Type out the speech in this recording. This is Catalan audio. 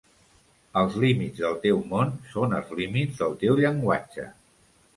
Els límits del teu món són els límits del teu llenguatge.